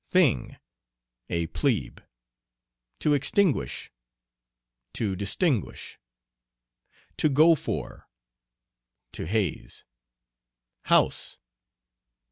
"Thing." A "plebe." "To extinguish." To distinguish. "To go for." To haze. "House."